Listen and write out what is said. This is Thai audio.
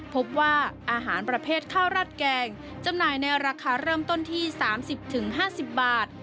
พบว่าอาหารประเภทข้าวราดแกงจำหน่ายในราคาเริ่มต้นที่๓๐๕๐บาท